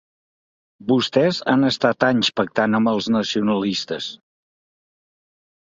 Vostès han estat anys pactant amb els nacionalistes.